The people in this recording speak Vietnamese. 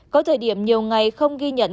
có thời điểm nhiều ngày không ghi nhận